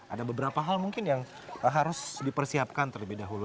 ada beberapa hal mungkin yang harus dipersiapkan terlebih dahulu